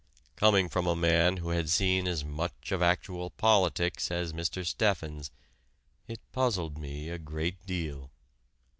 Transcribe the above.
Coming from a man who had seen as much of actual politics as Mr. Steffens, it puzzled me a great deal.